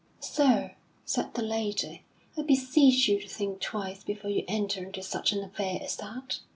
"Sir," said the lady, "I beseech you to think twice before you enter into such an affair as that.